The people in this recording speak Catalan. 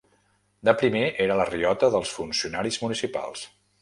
De primer era la riota dels funcionaris municipals.